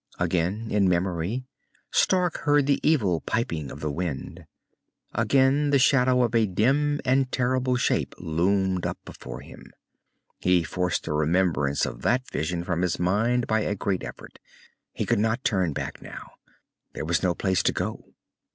Again, in memory, Stark heard the evil piping of the wind. Again, the shadow of a dim and terrible shape loomed up before him.... He forced remembrance of that vision from his mind, by a great effort. He could not turn back now. There was no place to go.